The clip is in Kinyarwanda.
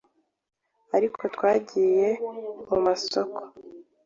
ariko twagiye mu masoko